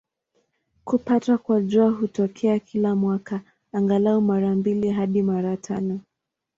Kupatwa kwa Jua hutokea kila mwaka, angalau mara mbili hadi mara tano.